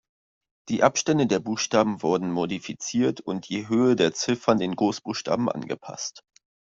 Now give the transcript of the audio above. Die Abstände der Buchstaben wurden modifiziert und die Höhe der Ziffern den Großbuchstaben angepasst.